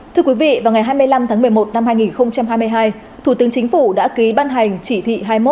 thưa quý vị vào ngày hai mươi năm tháng một mươi một năm hai nghìn hai mươi hai thủ tướng chính phủ đã ký ban hành chỉ thị hai mươi một